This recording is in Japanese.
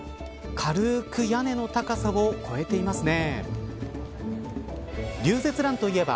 軽く屋根の高さを超えていますね。